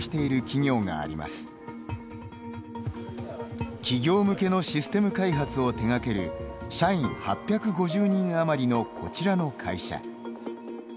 企業向けのシステム開発を手がける社員８５０人余りのこちらの会社。